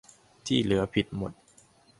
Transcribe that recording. ที่เหลือผิดหมด